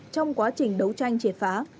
trong quá trình đấu tranh triệt phá